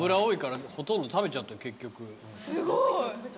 すごい！